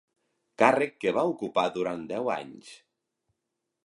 Càrrec que va ocupar durant deu anys.